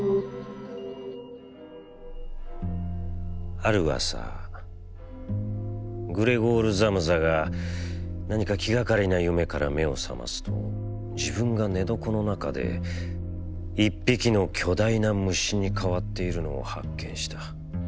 「ある朝、グレゴール・ザムザがなにか気がかりな夢から目をさますと、自分が寝床の中で一匹の巨大な虫に変わっているのを発見した。